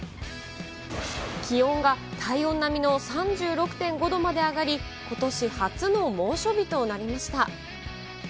気温が体温並みの３６．５度まで上がり、ことし初の猛暑日となりました。